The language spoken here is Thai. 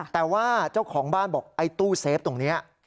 แต่ว่าเจ้าของบ้านบอกไอ้ตู้เซฟตรงนี้